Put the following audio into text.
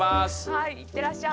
はい行ってらっしゃい。